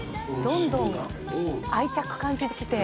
どんどん愛着感じてきて。